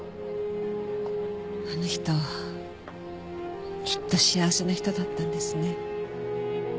あの人きっと幸せな人だったんですね。